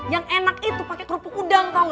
yang enak itu pake kerupuk udang tau ga